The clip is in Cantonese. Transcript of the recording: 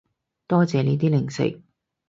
多謝你啲零食